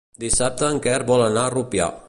Dissabte en Quer vol anar a Rupià.